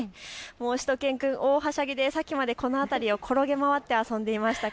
しゅと犬くん、大はしゃぎでさっきまでこの辺りを転げ回って遊んでいました。